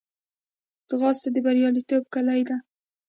ځغاسته د بریالیتوب کلۍ ده